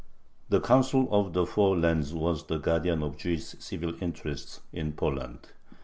The Council of the Four Lands was the guardian of Jewish civil interests in Poland.